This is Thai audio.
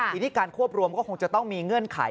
ทีนี้การควบรวมก็คงจะต้องมีเงื่อนไข